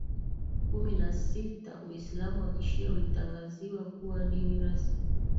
Kumi na sita Uislamu wa Kishia ulitangaziwa kuwa dini rasmi